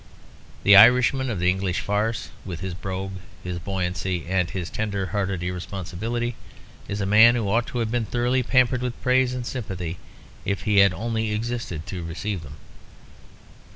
The Irishman of the English farce, with his brogue, his buoyancy, and his tender hearted irresponsibility, is a man who ought to have been thoroughly pampered with praise and sympathy, if he had only existed to receive them.